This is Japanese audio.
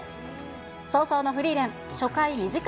葬送のフリーレン初回２時間